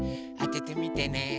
あててみてね。